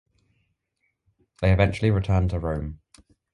They eventually returned to Rome.